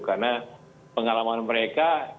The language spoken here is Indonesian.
karena pengalaman mereka